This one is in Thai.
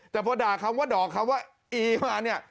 แต่พอด่าคำว่าดอกคำว่าอีมาเนี่ย